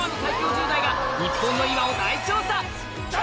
１０代が日本の今を大調査！